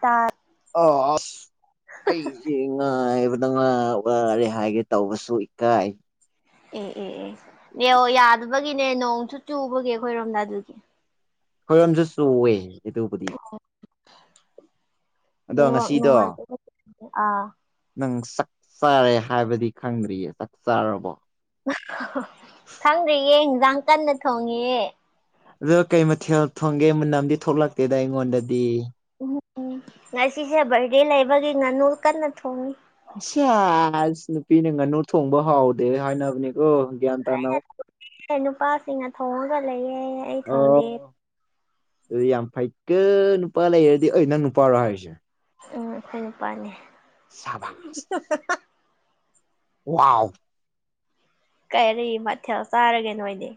ꯇ ꯑꯣ ꯑꯁ꯫ ꯑꯩꯁꯦ ꯉꯥꯏꯕꯗ ꯉꯥꯏ ꯋꯥꯔꯦ ꯍꯥꯏꯒꯦ ꯇꯧꯕꯁꯨ ꯏꯀꯥꯏ꯫ ꯑꯦ ꯑꯦ ꯑꯦ ꯅꯦꯋꯥꯛ ꯏꯁ ꯌꯥꯗꯕꯒꯤꯅꯦ ꯅꯣꯡꯁꯨ ꯆꯨꯕꯒꯤ ꯑꯩꯈꯣꯏꯔꯣꯝꯗ ꯑꯗꯨꯒꯤ꯫ ꯑꯈꯣꯏꯔꯣꯝꯁꯨ ꯆꯨꯋꯦ ꯑꯗꯨꯕꯨꯗꯤ꯫ ꯑꯗꯣ ꯅꯦꯋꯥꯛ ꯅꯨꯡꯉꯥꯏ ꯉꯁꯤꯗꯣ ꯑꯥ ꯫ ꯅꯪ ꯆꯥꯛ ꯆꯥꯔꯦ ꯍꯥꯏꯕꯗꯤ ꯈꯪꯗ꯭ꯔꯤꯌꯦ ꯆꯥꯛ ꯆꯥꯔꯕꯣ꯫ ꯈꯪꯗ꯭ꯔꯤꯌꯦ ꯌꯦꯟꯁꯥꯡ ꯀꯟꯅ ꯊꯣꯡꯉꯤꯌꯦ꯫ ꯑꯗꯣ ꯀꯩ ꯃꯊꯦꯜ ꯊꯣꯡꯒꯦ ꯃꯨꯟꯅꯝꯗꯤ ꯊꯣꯛꯂꯛꯇꯦꯗ ꯑꯩꯉꯣꯟꯗꯗꯤ꯫ ꯎꯝ ꯎꯝ ꯉꯁꯤꯁꯦ ꯕꯔꯗꯦ ꯂꯩꯕꯒꯤ ꯉꯥꯅꯨ ꯀꯟꯅ ꯊꯣꯡꯉꯤ꯫ ꯁꯦꯁ ꯅꯨꯄꯤꯅ ꯉꯥꯅꯨ ꯊꯣꯡꯕ ꯍꯥꯎꯗꯦ ꯍꯥꯏꯅꯕꯅꯦꯀꯣ꯫ ꯅꯨꯄꯥꯁꯤꯡꯅ ꯊꯣꯡꯉꯒ ꯂꯩꯌꯦ ꯑꯩ ꯊꯣꯡꯗꯦ꯫ ꯑꯗꯨ ꯌꯥꯝ ꯐꯩꯀꯣ ꯅꯨꯄꯥ ꯂꯩꯔꯗꯤ ꯑ ꯅꯪ ꯅꯨꯄꯥꯔꯣ ꯍꯥꯏꯔꯤꯁꯦ꯫ ꯎꯝ ꯑꯩꯈꯣꯏ ꯅꯨꯄꯥꯅꯦ꯫ ꯁꯥꯕꯁ ꯋꯥꯎ꯫ ꯀꯔꯤ ꯃꯊꯦꯜ ꯆꯥꯔꯒꯦ ꯅꯣꯏꯗꯤ꯫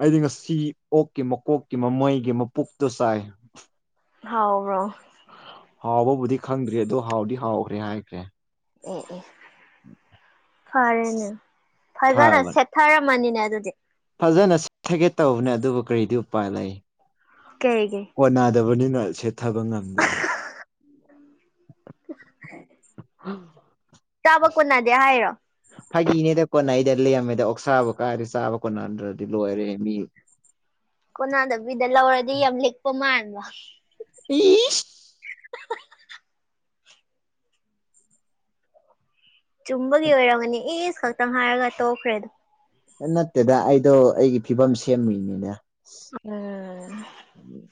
ꯑꯩꯗꯤ ꯉꯁꯤ ꯑꯣꯛꯀꯤ ꯃ ꯀꯣꯛꯀꯤ ꯃ ꯃꯩꯒꯤ ꯃ ꯄꯨꯛꯇꯣ ꯆꯥꯏ ꯍꯥꯎꯕ꯭ꯔꯣ ꯍꯥꯎꯕꯕꯨꯗꯤ ꯈꯪꯗ꯭ꯦ ꯑꯗꯣ ꯍꯥꯎꯗꯤ ꯍꯥꯎꯈ꯭ꯔꯦ ꯍꯥꯏꯈ꯭ꯔꯦ ꯑꯦ ꯑꯦ ꯐꯔꯅꯦ ꯐꯥꯖꯅ ꯐꯕꯅꯦ ꯁꯦꯠ ꯊꯥꯔꯝꯃꯅꯤꯅꯦ ꯑꯗꯨꯗꯤ ꯐꯖꯅ ꯊꯒꯦꯠ ꯇꯧꯕꯅꯦ ꯑꯗꯨꯕꯨ ꯀꯔꯤꯗꯤ ꯎꯄꯥꯏ ꯂꯩ ꯀꯩꯒꯦ ꯀꯣꯟ ꯅꯥꯗꯕꯅꯤꯅ ꯁꯦꯠꯊꯕ ꯉꯝꯗ꯭ꯔꯦ ꯍꯦ ꯑ ꯆꯥꯕ ꯀꯣꯟꯅꯗꯦ ꯍꯥꯏꯔꯣ ꯐꯥꯒꯤꯅꯦꯗ ꯀꯣꯟꯅ ꯑꯩꯗ ꯂꯩꯔꯝꯃꯦꯗ ꯑꯣꯛꯁꯥꯕ ꯀꯥꯏꯔꯦ ꯆꯥꯕ ꯀꯣꯠꯅꯗ꯭ꯔꯗꯤ ꯂꯣꯏꯔꯦ ꯃꯤ ꯀꯣꯟꯅꯥꯗꯕꯤꯗ ꯂꯧꯔꯗꯤ ꯌꯥꯝ ꯂꯤꯛꯄ ꯃꯥꯟꯕ ꯏ ꯆꯨꯝꯕꯒꯤ ꯑꯣꯏꯔꯝꯒꯅꯤ ꯏꯁ ꯈꯛꯇꯪ ꯍꯥꯏꯔꯒ ꯇꯣꯛꯈ꯭ꯔꯦꯗꯣ ꯅꯠꯇꯦꯗ ꯑꯩꯗꯣ ꯑꯩꯒꯤ ꯐꯤꯕꯝ ꯁꯦꯝꯃꯤꯨꯏꯅꯤꯅꯦ ꯎꯝ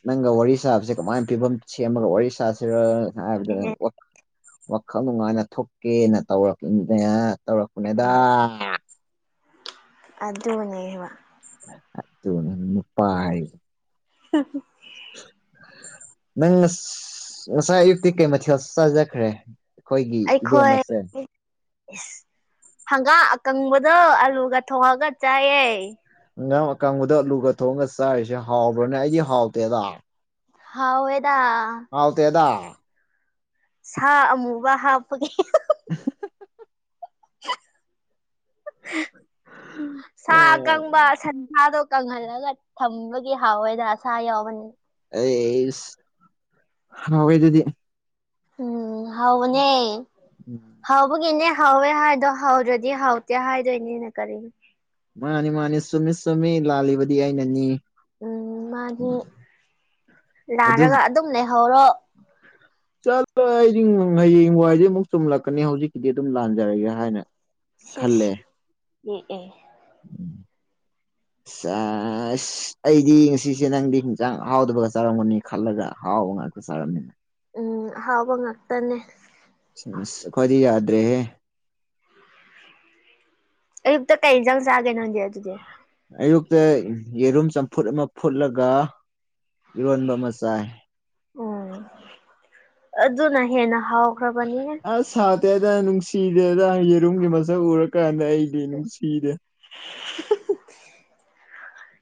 ꯅꯪꯒ ꯋꯥꯔꯤ ꯁꯥꯕꯁꯦ ꯀꯃꯥꯏꯅ ꯐꯤꯕꯝ ꯁꯦꯝꯃꯒ ꯋꯥꯔꯤ ꯁꯥꯁꯤꯔꯅꯣ ꯍꯥꯏꯕꯗ ꯑꯦ ꯋꯥꯈꯜ ꯅꯨꯡꯉꯥꯏꯅ ꯊꯣꯛꯀꯦꯅ ꯇꯧꯔꯛꯅꯦ ꯇꯧꯔꯛꯄꯅꯦꯗꯥ ꯑꯗ ꯑꯣꯏꯅꯅꯦꯕ ꯑꯣꯄꯥ ꯍꯥꯏ ꯍꯦ ꯍꯦ ꯅꯪ ꯉ ꯉꯁꯥꯏ ꯑꯌꯨꯛꯇꯤ ꯀꯩ ꯃꯊꯦꯜ ꯆꯥꯖꯈ꯭ꯔꯦ ꯑꯩꯈꯣꯏꯒꯤ ꯑꯩꯈꯣꯏ ꯏꯕꯦꯝꯃꯁꯦ ꯑꯦꯁ ꯍꯪꯒꯥ ꯑꯀꯪꯕꯗꯣ ꯑꯂꯨꯒ ꯊꯣꯡꯑꯒ ꯆꯥꯏꯌꯦ ꯀꯥꯡꯕꯨꯗ ꯑꯂꯨꯒ ꯊꯣꯡꯉꯒ ꯆꯥꯔꯤꯁꯦ ꯍꯥꯎꯕ꯭ꯔꯥꯅꯦ ꯑꯩꯗꯤ ꯍꯥꯎꯇꯦꯗ ꯍꯥꯎꯋꯦꯗꯥ ꯥꯎ ꯇꯗꯥ ꯁꯥ ꯑꯃꯨꯕ ꯍꯥꯞꯄꯒꯦ [unintelligible] ꯁꯥ ꯑꯀꯪꯕ ꯁꯟꯁꯥꯗꯣ ꯀꯪꯍꯜꯂꯒ ꯊꯝꯕꯒꯤ ꯍꯥꯎꯋꯦꯗ ꯁꯥ ꯌꯥꯎꯕꯅꯤ ꯑ ꯍꯣꯏꯗꯨꯗꯤ ꯎꯝ ꯍꯥꯎꯅꯦ ꯎꯝ ꯍꯥꯎꯕꯒꯤꯅꯦ ꯍꯥꯎꯋꯦ ꯍꯥꯏꯗꯣ ꯍꯥꯎꯗ꯭ꯔꯗꯤ ꯍꯥꯎꯇꯦ ꯍꯥꯏꯗꯣꯏꯅꯦꯅ ꯀꯔꯤꯅꯣ ꯃꯥꯅꯤ ꯃꯥꯅꯤ ꯁꯨꯝꯃꯤ ꯆꯨꯝꯃꯤ ꯂꯥꯜꯂꯤꯕꯗꯤ ꯑꯩꯅꯅꯤ ꯎꯝ ꯃꯥꯅꯤ ꯑꯗꯨ ꯂꯥꯔꯒ ꯑꯗꯨꯝ ꯂꯩꯍꯧꯔꯣ ꯆꯠꯂꫭ ꯑꯩꯗꯤ ꯍꯌꯦꯡ ꯋꯥꯏꯁꯦ ꯑꯃꯨꯛ ꯆꯨꯝꯂꯛꯀꯅꯤ ꯍꯧꯖꯤꯛꯀꯤꯗꯤ ꯑꯗꯨꯝ ꯂꯥꯟꯖꯔꯒꯦ ꯍꯥꯏꯅ ꯁꯤꯁ ꯎꯝ ꯑ ꯑꯁ ꯑꯩꯗꯤ ꯉꯁꯤꯁꯦ ꯅꯪꯗꯤ ꯍꯟꯆꯥꯡ ꯍꯥꯎꯗꯕꯒ ꯆꯥꯔꯝꯒꯅꯤ ꯈꯜꯂꯒ ꯍꯥꯎꯕ ꯉꯥꯛꯇ ꯅꯤꯅ ꯎꯝ ꯑꯍꯥꯎꯕ ꯉꯥꯛꯇꯅꯦ ꯈꯗꯤ ꯌꯥꯗ꯭ꯔꯦꯦ ꯑꯌꯨꯛꯇ ꯀꯩ ꯏꯟꯖꯪ ꯆꯥꯒꯦ ꯅꯪꯗꯤ ꯑꯗꯨꯗꯤ ꯑꯌꯨꯛꯇ ꯌꯦꯔꯨꯝ ꯆꯝꯐꯨꯠ ꯑꯃ ꯐꯨꯠꯂꯒ ꯏꯔꯣꯟꯕ ꯃꯆꯥꯥ ꯑꯗꯨ ꯑꯗꯨꯅ ꯍꯦꯅ ꯍꯥꯎꯍꯈꯔ ꯄꯅꯤ ꯁꯥꯇꯦꯗ ꯅꯨꯡꯁꯤꯗꯦꯗ ꯌꯦꯔꯨꯝꯒꯤ ꯃꯁꯛ ꯎꯔꯀꯥꯟꯗ ꯑꯩꯗꯤ ꯅꯨꯡꯁꯤꯔꯦ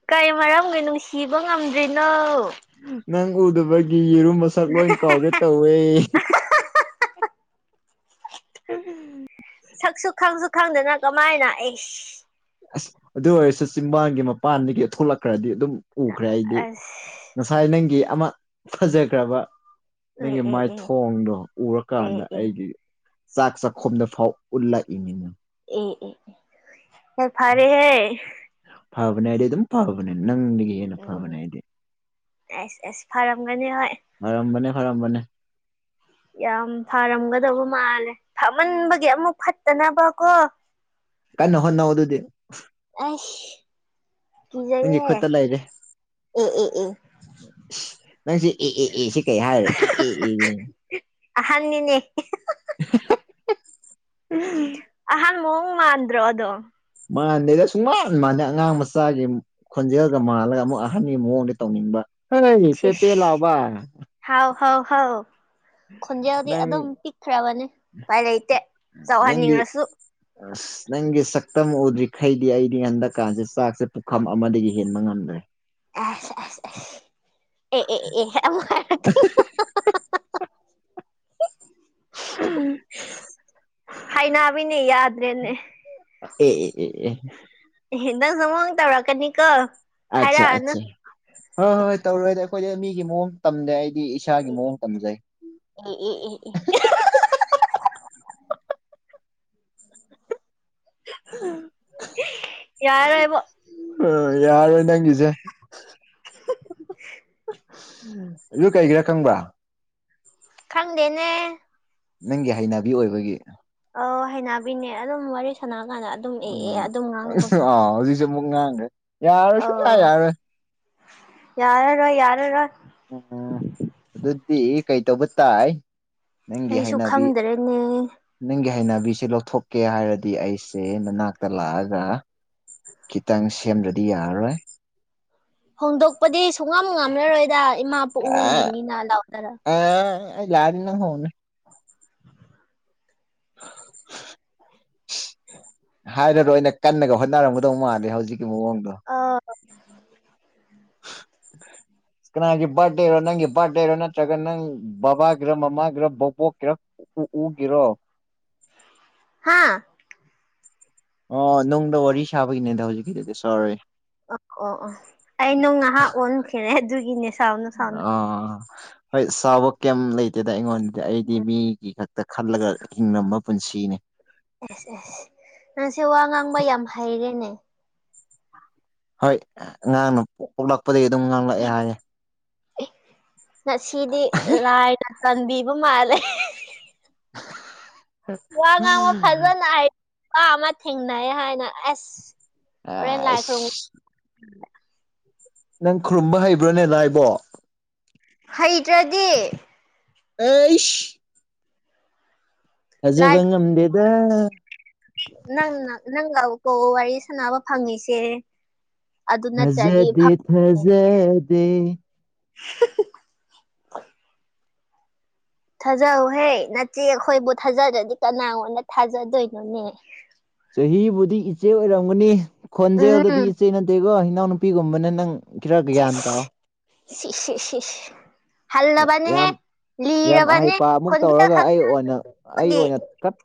ꯀꯔꯤ ꯃꯔꯝꯒꯤ ꯅꯨꯡꯁꯤꯕ ꯉꯝꯗ꯭ꯔꯤꯅꯣ ꯅꯪ ꯎꯗꯕꯒꯤ ꯌꯦꯔꯨꯝ ꯃꯁꯛ ꯂꯣꯏ ꯀꯥꯎꯒꯦ ꯇꯧꯋꯦ ꯎꯝ ꯁꯛꯁꯨ ꯈꯪꯁꯨ ꯈꯪꯗꯅ ꯀꯃꯥꯏꯅ꯫ ꯑꯁ ꯑꯗꯨ ꯑꯣꯏꯔꯁꯨ ꯆꯤꯡꯕꯥꯡꯒꯤ ꯃꯄꯥꯟꯗꯒꯤ ꯊꯣꯛꯂꯛꯈ꯭ꯔꯗꯤ ꯑꯗꯨꯝ ꯎꯈ꯭ꯔꯦ ꯑꯩꯗꯤ꯫ ꯑꯁ ꯉꯁꯥꯏ ꯅꯪꯒꯤ ꯑꯃ ꯐꯖꯈ꯭ꯔꯕ꯫ ꯑꯦ ꯅꯪꯒꯤ ꯑꯦ ꯃꯥꯏꯊꯣꯡꯗꯣ ꯎꯔꯀꯥꯟꯗ ꯑꯦ ꯑꯦ ꯑꯦ ꯑꯩꯒꯤ, ꯆꯥꯛ ꯆꯥꯛꯈꯣꯝꯗ ꯐꯥꯎ ꯎꯠꯂꯛꯏꯅꯤꯅꯤ꯫ ꯑꯦ ꯑꯦ ꯐ ꯐꯔꯦ ꯍꯦ꯫ ꯐꯕꯅꯦ ꯑꯩꯗꯤ ꯑꯗꯨꯝ ꯐꯕꯅꯦ ꯅꯪꯗꯒꯤ ꯍꯦꯟꯅ ꯐꯕꯅꯦ ꯍꯥꯏꯗꯤ꯫ ꯑꯁ ꯑꯦꯁ ꯐꯔꯝꯒꯅꯤ ꯍꯣꯏ꯫ ꯍꯔꯝꯕꯅꯦ ꯍꯔꯝꯕꯅꯦ꯫ ꯌꯥꯝ ꯐꯔꯝꯒꯗꯕ ꯃꯥꯜꯂꯦ ꯐꯝꯃꯟꯕꯒꯤ ꯑꯃꯨꯛ ꯐꯠꯇꯅꯕ ꯀꯣ, ꯀꯟꯅ ꯍꯣꯠꯅꯩꯢ ꯑꯗꯨꯗꯤ꯫ ꯑꯁ ꯅꯪꯒꯤ ꯀꯤꯖꯩꯍꯦ ꯈꯨꯠꯇ ꯑꯦ ꯑꯦ ꯑꯦ, ꯅꯪꯁꯦ ꯑꯦ ꯑꯦ ꯑꯦ ꯀꯩ ꯍꯥꯏꯔꯦ ꯏ ꯏ ꯑꯍꯟꯅꯤꯅꯦ [unintelligible] ꯑꯍꯥꯟ ꯃꯑꫭꯡ ꯃꯥꯥꯟꯗ꯭ꯔꯣ ꯑꯗꯣ꯫ ꯃꯥꯗꯦꯗ ꯁꯨꯡ ꯃꯥꯥꯟ ꯃꯥꯥꯟꯗꯦ ꯑꯉꯥꯡ ꯃꯆꯥꯒꯤ ꯈꯣꯟꯖꯦꯜꯒ ꯃꯥꯜꯂꯒ ꯑꯃꯨꯛ ꯑꯍꯟꯒꯤ ꯃꯑꯣꯡꯗ ꯇꯧꯅꯤꯡꯕ ꯍꯦ ꯄꯦ ꯄꯦ ꯁꯤꯁ ꯂꯥꯎꯕ, ꯍꯥꯎ ꯍꯥꯎ ꯍꯥꯎ ꯈꯣꯟꯖꯦꯜꯗꯤ ꯅꯪ ꯑꯗꯨꯝ ꯄꯤꯛꯈ꯭ꯔꯕꯅꯦ ꯄꯥꯏ ꯂꯩꯇꯦ ꯅꯪꯒꯤ ꯆꯥꯎꯍꯟꯅꯤꯡꯔꯁꯨ꯫ ꯑꯁ ꯅꯪꯒꯤ ꯁꯛꯇꯝ ꯎꯗ꯭ꯔꯤꯈꯩꯗꯤ ꯑꯩꯗꯤ ꯍꯟꯗꯛꯀꯥꯟꯁꯦ ꯆꯥꯛꯁꯦ ꯄꯨꯈꯝ ꯑꯃꯗꯒꯤ ꯍꯦꯟꯕ ꯉꯝꯗ꯭ꯔꯦ꯫ ꯑꯁ ꯑꯁ ꯑꯁ ꯑꯦ ꯑꯦ ꯑꯦ ꯑꯃꯨꯛ ꯍꯥꯏꯔꯛꯇꯣꯏꯔ ꯍꯥꯏꯅꯥꯕꯤꯅꯦ ꯌꯥꯗ꯭ꯔꯦꯅꯦ꯫ ꯑꯦ ꯑꯦ ꯑꯦ ꯑꯦ ꯑꯦ ꯅꯪꯁꯨ ꯑꯃꯨꯛ ꯇꯧꯔꯛꯀꯅꯤꯀꯣ꯫ ꯑꯠꯆꯥ ꯍꯥꯏꯔꯛꯑꯅꯨ ꯑꯠꯆꯥ ꯍꯣꯏ ꯍꯣꯏ ꯇꯧꯔꯣꯏꯗ ꯑꯩꯈꯣꯏꯗꯤ ꯃꯤꯒꯤ ꯃꯑꯣꯡ ꯇꯝꯗꯦ ꯑꯩꯗꯤ ꯏꯁꯥꯒꯤ ꯎ ꯎ ꯃꯑꯣꯡ ꯎꯝ ꯇꯝꯖꯩ ꯎꯝ ꯎꯝ ꯎ [unintelligible] ꯌꯥꯔꯣꯏꯕꯣ꯫ ꯑ ꯌꯥꯔꯣꯏ ꯅꯪꯒꯤꯁꯦ꯫ [unintelligible] ꯑꯗꯨ ꯀꯩꯒꯤꯔꯥ ꯈꯪꯕ꯭ꯔꯥ? ꯈꯪꯗꯦꯅꯦ꯫ ꯅꯪꯒꯤ ꯍꯩꯅꯕꯤ ꯑꯣꯏꯕꯒꯤ꯫ ꯑꯧ ꯍꯩꯩꯅꯕꯤꯅꯦ ꯑꯗꯨꯝ ꯋꯥꯔꯤ ꯁꯥꯟꯅꯀꯥꯟꯗ꯫ ꯎꯝ ꯑꯥ ꯍꯧꯖꯤꯛꯁꯦ ꯑꯃꯨꯛ ꯉꯥꯡꯈ꯭ꯔꯦ ꯌꯥꯔꯣꯏ ꯁꯨꯛ ꯌꯥ ꯑꯧ ꯌꯥꯔꯣꯏ꯫ ꯌꯥꯔꯔꯣꯏ ꯌꯥꯔꯔꯣꯏ꯫ ꯎꯝ ꯑꯗꯨꯗꯤ ꯀꯩꯇꯧꯕ ꯇꯥꯏ? ꯅꯪꯒꯤ ꯑꯩꯁꯨ ꯍꯩꯅꯕꯤ ꯈꯪꯗ꯭ꯔꯦꯅꯦ꯫ ꯅꯪꯒꯤ ꯍꯩꯅꯕꯤꯁꯦ ꯂꯧꯊꯣꯛꯀꯦ ꯍꯥꯏꯔꯗꯤ ꯑꯩꯁꯦ ꯅꯅꯥꯛꯇ ꯂꯥꯛꯑꯒ, ꯈꯤꯇꯪ ꯁꯦꯝꯗ꯭ꯔꯗꯤ ꯌꯥꯔꯔꯣꯏ꯫ ꯍꯣꯡꯗꯣꯛꯄꯗꯤ ꯁꯨꯡꯉꯝ ꯉꯝꯂꯔꯣꯏꯗ ꯏꯃꯥ ꯄꯨꯛꯅꯨꯡꯒꯤꯅꯤꯅ ꯂꯥꯎꯗꯔ ꯑ ꯑꯩ ꯂꯛꯑꯗꯤ ꯅꯪ ꯍꯧꯅꯤ꯫ [inaudible] ꯍꯥꯏꯔꯔꯣꯏꯅ ꯀꯟꯅꯒ ꯍꯣꯠꯅꯔꯝꯒꯗꯧ ꯃꯥꯂꯦ ꯍꯧꯖꯤꯛꯀꯤ ꯃꯑꯣꯡꯗꯣ꯫ ꯑꯥ ꯎ [inaudible] ꯀꯅꯥꯒꯤ ꯕꯥꯔꯗꯦꯔꯣ ꯅꯪꯒꯤ ꯕꯥꯔꯗꯦꯔꯣ ꯅꯠꯇ꯭ꯔꯒ ꯅꯪ ꯕꯕꯥꯒꯤꯔ ꯃꯃꯥꯒꯤꯔ ꯕꯣꯕꯣꯛꯀꯤꯔꯣ ꯎ ꯎꯒꯤꯔꯣ ꯍꯥꯥ ꯑꯣ ꯅꯨꯡꯗ ꯋꯥꯔꯤ ꯁꯥꯕꯒꯤꯅꯦꯗ ꯍꯧꯖꯤꯛꯀꯤꯗꯨꯗꯤ ꯁꫭꯔꯦ ꯑꯣ ꯑꯣ ꯑꯣ ꯑꯩ ꯅꯣꯡ ꯉꯥꯏꯍꯥꯛ ꯑꯣꯟꯈꯔꯦ ꯑꯗꯨꯒꯤꯅꯦ ꯁꯥꯎꯅꯨ ꯁꯥꯎꯅꯨ ꯑꯥ ꯍꯣꯏ ꯁꯥꯕ ꯀꯩꯝ ꯂꯩꯇꯦꯗ ꯑꯩꯉꯣꯟꯗꯗꯤ ꯑꯩꯗꯤ ꯎꯝ ꯃꯤꯒꯤ ꯈꯛꯇ ꯇ ꯈꯜꯂꯒ ꯍꯤꯡꯉꯝꯕ ꯄꯨꯟꯁꯤꯅꯤ ꯑꯦꯁ ꯑꯦꯁ ꯅꯪꯁꯦ ꯋꯥ ꯉꯥꯡꯕ ꯌꯥꯝ ꯍꯩꯔꯦꯅꯦ ꯍꯣꯏ ꯉꯥꯡꯅ ꯄ ꯄꯗꯒꯤ ꯑꯗꯨꯝ ꯉꯥꯡꯂꯛꯑꯦ ꯍꯥꯏꯌꯦꯦ ꯀꯟꯗꯤꯄ ꯃꯥꯂꯦ [unintelligible] ꯋꯥ ꯉꯥꯡꯕ ꯐꯖꯅ ꯍꯥꯏ ꯋꯥ ꯑꯃ ꯊꯦꯡꯅꯩ ꯍꯥꯏꯅ ꯑꯁ ꯑꯣꯣꯔꯦꯟꯅ ꯂꯥꯏꯈꯔ ꯑꯁ ꯅꯪ ꯈꯨꯔꯨꯝꯕ ꯍꯩꯕ꯭ꯔꯣꯅꯦ ꯍꯥꯏꯕꯣ ꯍꯩꯇ꯭ꯔꯗꯤ ꯍꯩꯁ ꯂꯥꯏ ꯍꯖꯕ ꯉꯝꯗꯦꯗ ꯅꯪ ꯅꯪꯔꯀ ꯋꯥꯔꯤ ꯁꯥꯟꯅꯕ ꯐꯪꯉꯁꯦ ꯐꯖꯗꯦ ꯐꯖꯗꯦ ꯊꯥꯖꯍꯧꯍꯦ ꯅꯆꯦ ꯑꯩꯈꯣꯏꯕꯨ ꯊꯥꯖꯗ꯭ꯔꯗꯤ ꯀꯅꯥꯉꯣꯟꯗ ꯊꯥꯖꯗꯣꯏꯅꯣꯅꯦ ꯆꯍꯤꯕꯨꯗꯤ ꯏꯆꯦ ꯑꯣꯏꯔꯝꯒꯅꯤ ꯈꯣꯟꯖꯦꯜꯗꯗꯤ ꯎꯝ ꯏꯆꯦ ꯅꯠꯇꯦꯀꯣ ꯏꯅꯥꯎꯅꯨꯄꯤꯒꯨꯝꯕꯅꯦ ꯅꯪ ꯈꯔ ꯒ꯭ꯌꯥꯟ ꯇꯥꯥꯎ ꯁꯤ ꯁꯤ ꯁꯤ ꯍꯜꯂꯕꯅꯦꯍꯦ ꯌꯥꯝ ꯌꯥꯝ ꯂꯤꯔꯕꯅꯦ ꯑꯍꯩꯄꯥ ꯑꯃꯨꯛ ꯈꯣꯟꯖ ꯇꯧꯔꯒ ꯈꯛꯇ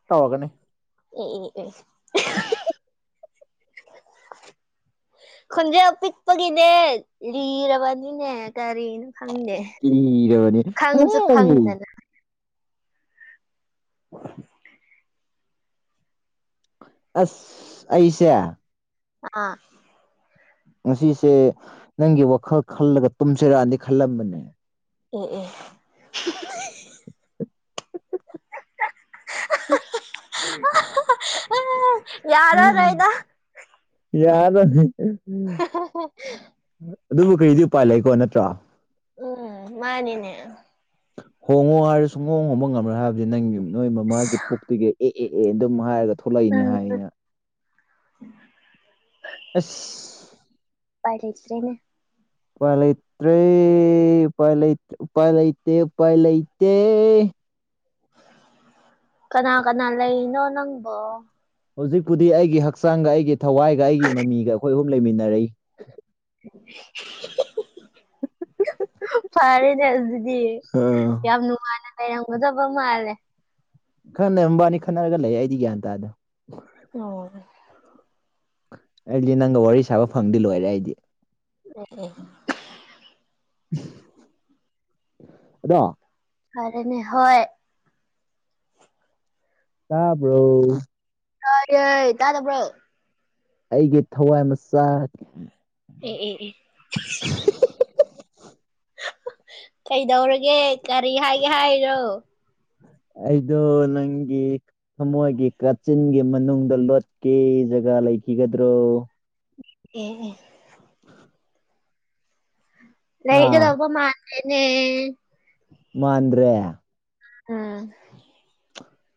ꯇꯧꯒꯅꯦ ꯑꯦ ꯑꯦ [inaudible] ꯈꯣꯟꯖꯦꯟ ꯄꯤꯛꯄꯒꯤꯅꯦ ꯂꯤꯔꯕꯅꯤꯅꯦ ꯀꯔꯤꯅꯣ ꯈꯪꯗꯦ ꯀꯤꯔꯕꯅꯤ ꯈꯪꯁꯨ ꯍꯩ ꯈꯪꯗꯅ [unintelligible] ꯑꯁ ꯑꯩꯁꯦ ꯑꯥ ꯉꯁꯤꯁꯦ ꯅꯪꯒꯤ ꯋꯥꯈꯜ ꯈꯜꯂꯒ ꯇꯨꯝꯖꯔꯛꯑꯅꯤ ꯈꯜꯂꯝꯕꯅꯦ ꯑꯦ ꯑꯦ [unintelligible] ꯑꯥ ꯑꯝꯝ ꯌꯥꯔꯔꯣꯏꯗ ꯌꯥꯗꯅꯤ ꯑꯗꯨꯕꯨ ꯀꯔꯤꯗꯤ ꯎꯄꯥꯏ ꯂꯩꯀꯣ ꯅꯠꯇ꯭ꯔꯣ ꯎꯝ ꯃꯥꯅꯤꯅꯦ ꯍꯣꯡꯉꯣ ꯍꯥꯏꯔ ꯁꯨꯡꯍꯣꯡ ꯍꯣꯡꯕ ꯉꯝꯃ꯭ꯔꯣꯏ ꯍꯥꯏꯕꯗꯤ ꯅꯪꯒꯤ ꯅꯣꯏ ꯃꯃꯥꯒꯤ ꯄꯨꯛꯇꯨꯒꯤ ꯑꯦ ꯑꯦ ꯑꯦ ꯑꯗꯨꯝ ꯍꯥꯏꯔꯒ ꯊꯣꯛꯂꯛꯏꯅꯦ ꯍꯥꯏꯌꯦ ꯎ ꯑꯁ ꯄꯥꯏ ꯂꯩꯇ꯭ꯔꯦꯅꯦ ꯄꯂꯇꯦ ꯄꯂ ꯄꯂꯩꯇꯦ ꯄꯂꯩꯇꯦ ꯀꯅꯥ ꯀꯅꯥ ꯂꯩꯅꯣ ꯅꯪꯕꯣ ꯍꯧꯖꯤꯛꯄꯨꯗꯤ ꯑꯩꯒꯤ ꯍꯛꯆꯥꯡꯒ ꯑꯩꯒꯤ ꯊꯋꯥꯏꯒ ꯑꯩꯒꯤ ꯃꯃꯤꯒ ꯑꯩꯈꯣꯏ ꯑꯍꯨꯝ ꯂꯩꯃꯤꯟꯅꯔꯛꯏ ꯞꯠꯇ ꯐꯔꯦꯅꯦ ꯑꯗꯨꯗꯤ ꯑꯥ ꯌꯥꯝ ꯅꯨꯡꯉꯥꯏꯅ ꯍꯩꯔꯝꯒꯗꯕ ꯃꯥꯜꯂꯦ ꯈꯟꯅꯔꯝꯕ ꯑꯅꯤ ꯈꯠꯅꯔꯒ ꯂꯩ ꯑꯩꯗꯤ ꯒ꯭ꯌꯥꯟ ꯇꯥꯗꯣ ꯑꯣ ꯑꯩꯗꯤ ꯅꯪꯒ ꯋꯥꯔꯤ ꯁꯥꯕ ꯐꯪꯗꯤ ꯂꯣꯏꯔꯦ ꯑꯩꯗꯤ ꯑꯣ ꯑꯣ ꯑꯗꯣ ꯐꯔꯦꯅꯦ ꯍꯣꯏ ꯇꯥꯕ꯭ꯔꯣ ꯍ ꯇꯥ ꯇꯕ꯭ꯔꯣ ꯑꯩꯒꯤ ꯊꯋꯥꯏ ꯃꯆꯥ ꯑꯦ ꯑꯦ ꯑꯦ ꯎꯝ ꯎꯝ ꯎꯝ ꯀꯩꯗꯧꯔꯒꯦ ꯀꯔꯤ ꯍꯥꯏꯒꯦ ꯍꯥꯏꯔꯣ ꯑꯩꯗꫭ ꯅꯪꯒꯤ ꯊꯃꯣꯏꯒꯤ ꯀꯥꯆꯤꯟꯒꯤ ꯃꯅꯨꯡꯗ ꯂꯣꯠꯀꯤꯦ ꯖꯒꯥ ꯂꯩꯈꯤꯒꯗ꯭ꯔꯣ ꯑꯦ ꯑꯦ ꯑꯥ ꯂꯩꯒꯗꯧꯕ ꯃꯥꯥꯟꯗꯦꯅꯦ ꯃꯥꯟꯗ꯭ꯔꯦ ꯎꯝ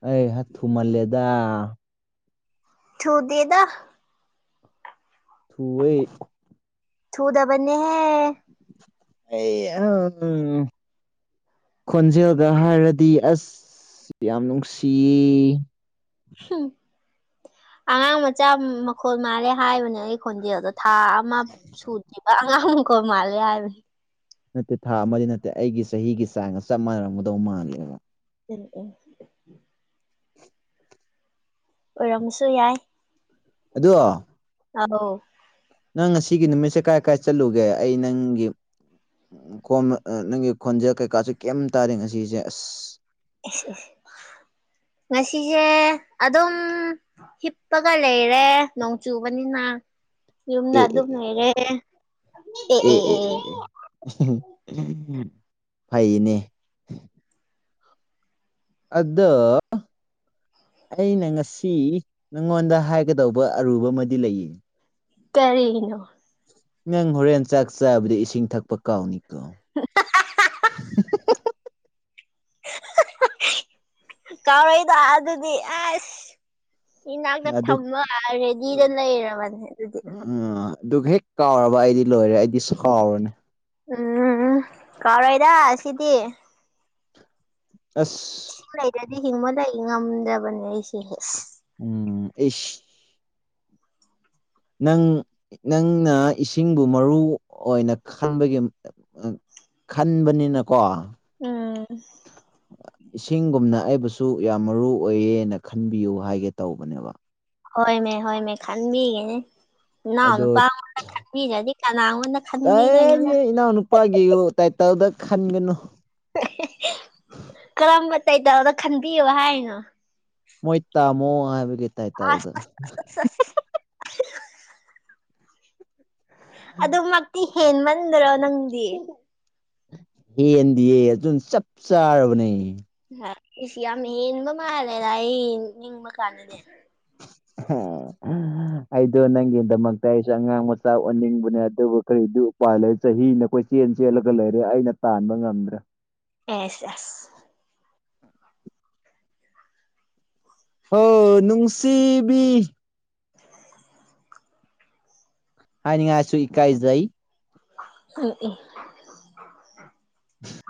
ꯑꯩ ꯊꯨꯃꯜꯂꯦꯗ ꯊꯨꯗꯦꯗ ꯊꯏꯩ ꯊꯨꯗꯕꯅꯤꯍꯦ ꯑꯦ ꯈꯣꯟꯖꯦꯜꯒ ꯍꯥꯏꯔꯗꯤ ꯑꯁ ꯌꯥꯝ ꯅꯨꯡꯁꯤꯌꯦ ꯎ ꯑꯉꯥꯡ ꯃꯆꯥ ꯃꯈꯣꯜ ꯃꯥꯜꯂꯦ ꯍꯥꯏꯕꯅꯦ ꯑꯩ ꯈꯣꯟꯗꯦꯜꯦꯜꯗ ꯊꯥ ꯑꯃ ꯁꯨꯗꯔꯤꯕ ꯑꯉꯥꯡꯀ ꯃꯥꯜꯂꯦ ꯍꯥꯏꯕꯅꯤ ꯅꯠꯇꯦ ꯊꯥ ꯑꯃꯗꯤ ꯅꯠꯇꯦ ꯑꯩꯒꯤ ꯆꯍꯤꯒꯤ ꯆꯥꯡꯒ ꯆꯞ ꯃꯥꯟꯅꯔꯝꯒꯗꯧ ꯃꯥꯜꯂꯦꯕ ꯆ ꯎꯝ ꯑꯣꯏꯔꯝꯃꯁꯨ ꯌꯥꯏ ꯑꯗꯨꯣ ꯑꯣ [unintelligible] ꯅꯪ ꯉꯁꯤ ꯅꯨꯃꯤꯠꯁꯦ ꯀꯥꯏ ꯀꯥꯏ ꯆꯠꯂꯨꯒꯦ ꯑꯩ ꯅꯪꯒꯤ ꯈꯣꯟ ꯅꯪꯒꯤ ꯈꯣꯟꯖꯦꯜ ꯀꯩꯀꯥꯁꯨ ꯀꯩꯝ ꯇꯥꯔꯦ ꯉꯁꯤꯁꯦ ꯑꯁ ꯉꯁꯤꯁꯦ ꯑꯗꯨꯝ ꯍꯤꯞꯄꯒ ꯂꯩꯔꯦ ꯅꯣꯡ ꯆꯨꯕꯅꯤꯅ ꯌꯨꯝꯗ ꯑꯦ ꯑꯦ ꯑꯗꯨꯝ ꯑꯦ ꯂꯩꯩꯔꯦ ꯑꯦ ꯑꯦ ꯑꯦ ꯐꯩꯅꯦ ꯑꯗ‌‌ꯣ ꯑꯩꯅ ꯉꯁꯤ ꯅꯪꯉꯣꯟꯗ ꯍꯥꯏꯒꯗꯧꯕ ꯑꯔꯨꯕ ꯑꯃꯗꯤ ꯂꯩꯌꯦ ꯇꯔꯤꯅꯣ ꯅꯪ ꯍꯣꯔꯦꯟ ꯆꯥꯛ ꯆꯥꯕꯗꯤ ꯏꯁꯤꯡ ꯊꯛꯄ ꯀꯥꯎꯅꯤꯀꯣ ꯀꯧꯔꯩꯗ ꯑꯗꯨꯗꯤ ꯑꯁ ꯏꯅꯥꯛꯇ ꯑꯗꯨ ꯊꯝꯃ ꯔꯦꯗꯤꯗ ꯂꯩꯔꯕꯅꯦ ꯑꯗꯨꯗꯤ ꯎ ꯑꯗꯨꯒ ꯍꯦꯛ ꯀꯥꯎꯔꯕ ꯑꯩꯗꯤ ꯂꯣꯏꯔꯦ ꯑꯩꯗꯤ ꯁꯥꯎꯔꯤꯅꯦ ꯎꯝ ꯎ ꯀꯥꯎꯔꯣꯏꯗ ꯁꯤꯗꯤꯤ ꯑꯁ ꯍꯁꯤꯡꯉꯩꯗꯗꯤ ꯍꯤꯡꯕꯗ ꯉꯝꯗꯕꯅꯦ ꯑꯩꯁꯦ ꯎꯝ ꯑꯦꯁ ꯅꯪ ꯅꯪꯅ ꯏꯁꯤꯡꯕꯨ ꯃꯔꯨ ꯑꯣꯏꯅ ꯈꯟꯕꯒꯤ ꯈꯟꯕꯅꯤꯅꯀꯣ ꯎꯝ ꯏꯁꯤꯡꯒꯨꯝꯅ ꯑꯩꯕꯨꯁꯨ ꯌꯥꯝ ꯃꯔꯨ ꯑꯣꯏꯌꯦꯅ ꯈꯟꯕꯤꯌꯨ ꯍꯥꯏꯒꯦ ꯇꯧꯕꯅꯦꯕ ꯍꯣꯏꯃꯦ ꯍꯣꯏꯃꯦ ꯈꯟꯕꯤꯒꯦꯅꯦ ꯏꯅꯥꯎ ꯑꯗꯣ ꯅꯨꯄꯥꯉꯣꯟꯗ ꯈꯟꯕꯤꯗ꯭ꯔꯗꯤ ꯀꯅꯥꯉꯣꯟꯗ ꯈꯟꯕꯤꯗꯣꯏꯅꯣꯗ ꯇꯉ ꯏꯅꯥꯎꯅꯨꯄꯥꯒꯤ ꯇꯥꯏꯇꯜꯗ ꯈꯟꯒꯅꯨ ꯀꯔꯝꯕ ꯇꯩꯇꯥꯜꯗ ꯈꯟꯕꯤꯌꯨ ꯍꯥꯏꯅꯣ ꯃꯣꯏ ꯇꯥꯃꯣ ꯍꯥꯏꯕꯗꯤ ꯀꯩꯗꯧꯋꯤ ꯑꯁ ꯑꯁ ꯑꯁ ꯑꯁ ꯑꯗꯨꯃꯛꯇꯤ ꯍꯦꯟꯃꯟꯗꯔꯣ ꯅꯪꯗꯤ ꯍꯟꯗꯤꯌꯦ ꯑꯗꯨꯨꯝ ꯆꯞ ꯆꯥꯔꯕꯅꯦ ꯏꯁ ꯌꯥꯝ ꯍꯦꯟꯕ ꯃꯥꯜꯂꯦꯗ ꯑꯩ ꯅꯤꯡꯕ ꯀꯥꯟꯗꯗꯤ [unintelligible] ꯑꯩꯗꯣ ꯅꯪꯒꯤꯗꯃꯛꯇ ꯑꯩꯁꯨ ꯑꯉꯥꯡ ꯃꯆꯥ ꯑꯣꯟꯅꯤꯡꯕꯅꯦ ꯑꯗꯨꯕꯨ ꯀꯔꯤꯗꯤ ꯎꯄꯂꯩ ꯆꯍꯤ ꯅꯈꫭꯏ ꯆꯦꯟ ꯆꯦꯜꯂꯒ ꯂꯩꯔꯦ ꯑꯩꯅ ꯇꯥꯟꯕ ꯉꯝꯗ꯭ꯔꯦ ꯑꯦꯁ ꯑꯦꯁ ꯍꯣ ꯅꯨꯡꯁꯤꯕꯤ ꯍꯥꯏꯅꯤꯡꯉꯥꯏꯁꯨ ꯏ ꯀꯥꯏꯖꯩ [inaudible] [inaudible]